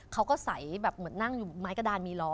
เขาก็ใสแบบเหมือนนั่งอยู่ไม้กระดานมีล้อ